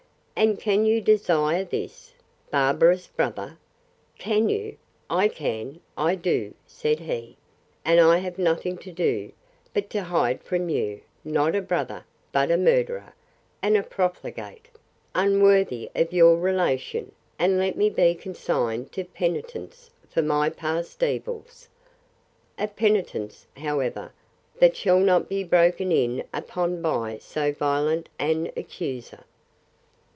—And can you desire this? barbarous brother! can you?—I can, I do, said he; and I have nothing to do, but to hide from you, not a brother, but a murderer, and a profligate, unworthy of your relation; and let me be consigned to penitence for my past evils: A penitence, however, that shall not be broken in upon by so violent an accuser.